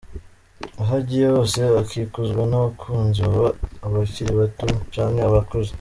Aho agiye hose akikuzwa n'abakunzi, baba abakiri bato canke abakuze.